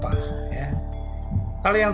pertama yang terbatas itu apa